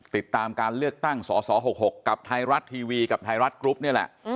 ติดตามการเลือกตั้งสส๖๖กับไทยรัฐทีวีกับไทยรัฐกรุ๊ปนี่แหละ